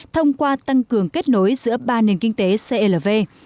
thông qua tăng cường kết nối giữa ba nền kinh tế clv